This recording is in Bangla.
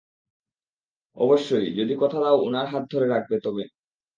অবশ্যই, যদি কথা দাও উনার হাত ধরে রাখবে, তবে!